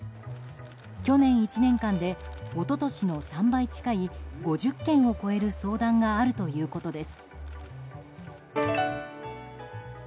去年１年間で一昨年の３倍近い５０件を超える相談があるということです。